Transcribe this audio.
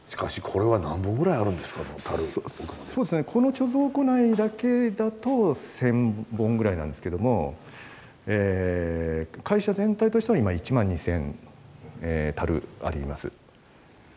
この貯蔵庫内だけだと１，０００本ぐらいなんですけども会社全体としては今１万２，０００樽あります。